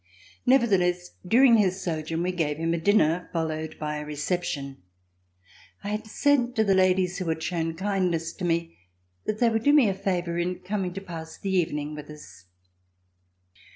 Nevertheless, during his sojourn, we gave him a dinner followed by a reception. I had said to the ladies who had shown kindness to me that they would do me a favor in coming to pass the evening with us.